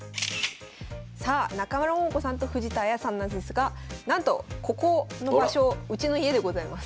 さあ中村桃子さんと藤田綾さんなんですがなんとここの場所うちの家でございます。